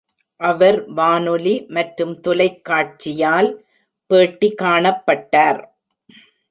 அவர் வானொலி மற்றும் தொலைக்காட்சியால் பேட்டி காணப்பட்டார்.